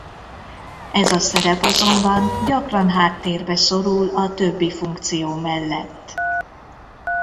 Ez a szerep azonban gyakran háttérbe szorul a többi funkció mellett.